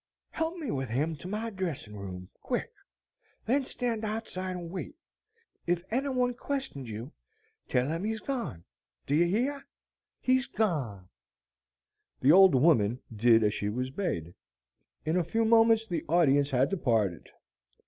"Help me with him to my dressing room, quick; then stand outside and wait. If any one questions you, tell them he's gone. Do you hear? HE's gone." The old woman did as she was bade. In a few moments the audience had departed.